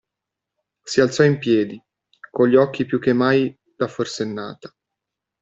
Si alzò in piedi, con gli occhi più che mai da forsennata.